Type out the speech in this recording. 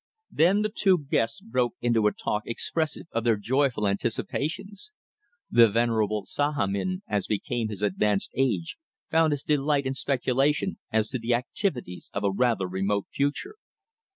Then the two guests broke into a talk expressive of their joyful anticipations. The venerable Sahamin, as became his advanced age, found his delight in speculation as to the activities of a rather remote future.